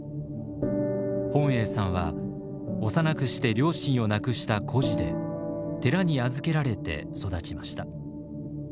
本英さんは幼くして両親を亡くした孤児で寺に預けられて育ちました。